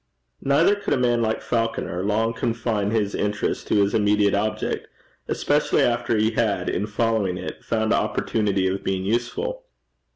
Neither could a man like Falconer long confine his interest to this immediate object, especially after he had, in following it, found opportunity of being useful.